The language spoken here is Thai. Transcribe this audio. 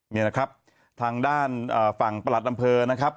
นี่นะครับทางด้านฝั่งประหลัดอำเภอนะครับ